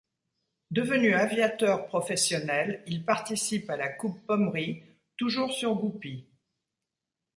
Devenu aviateur professionnel, il participe à la Coupe Pommery, toujours sur Goupy.